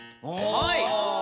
はい。